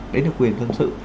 đấy là quyền dân sự